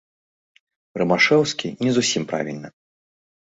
Рымашэўскі, не зусім правільна.